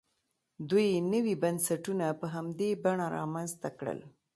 دوی نوي بنسټونه په همدې بڼه رامنځته کړل.